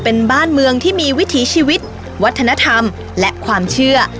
เป็นบ้านเมืองที่มีวิถีชีวิตวัฒนธรรมและความเชื่อ